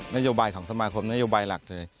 นโยบายของสมาคมนโยบายหลักเลย